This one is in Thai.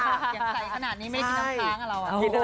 ใกล้ขนาดนี้ไม่ได้ทิ้งน้ำค้างอ่ะเรา